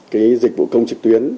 cái dịch vụ công trực tuyến